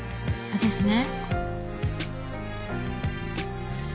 私ね。